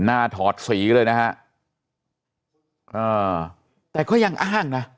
ถอดสีเลยนะฮะอ่าแต่ก็ยังอ้างนะ